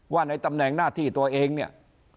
ในตำแหน่งหน้าที่ตัวเองเนี่ย